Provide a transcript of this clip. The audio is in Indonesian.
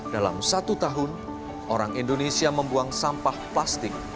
dalam satu tahun orang indonesia membuang sampah plastik